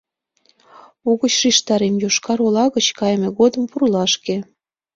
Угыч шижтарем: Йошкар-Ола гыч кайыме годым — пурлашке.